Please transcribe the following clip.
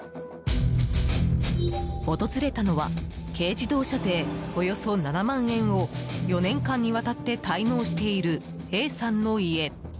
訪れたのは軽自動車税およそ７万円を４年間にわたって滞納しているＡさんの家。